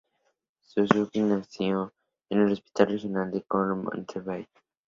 Suzuki nació en el Hospital Regional Cornwall, de Montego Bay.